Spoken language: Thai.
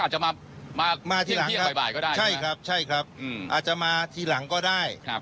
ใช่ครับอาจจะมาทีหลังก็ได้